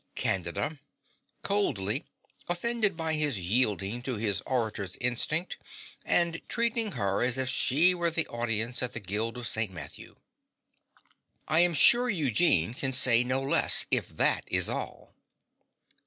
CANDIDA (coldly, offended by his yielding to his orator's instinct and treating her as if she were the audience at the Guild of St. Matthew). I am sure Eugene can say no less, if that is all.